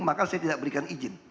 maka saya tidak berikan izin